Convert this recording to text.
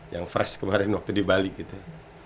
yang fresh kemarin waktu di bali gitu